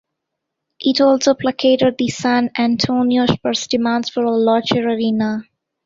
It also placated the San Antonio Spurs' demands for a larger arena.